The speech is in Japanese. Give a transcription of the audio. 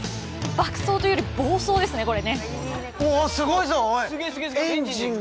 爆走というより、暴走ですね、これね。